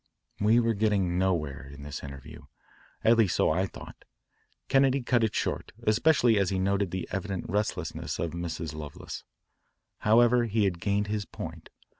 We were getting nowhere in this interview, at least so I thought. Kennedy cut it short, especially as he noted the evident restlessness of Mrs. Lovelace. However, he had gained his point.